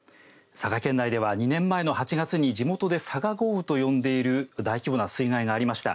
佐賀県内では２年前の８月に地元で佐賀豪雨と呼んでいる大規模な水害がありました。